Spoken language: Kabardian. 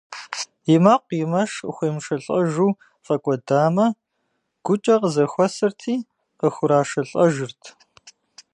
И мэкъу, и мэш къыхуемышэлӀэжу фӀэкӀуэдамэ, гукӀэ къызэхуэсырти къыхурашэлӀэжырт.